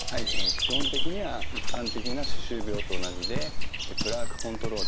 基本的には一般的な歯周病と同じでプラークコントロール。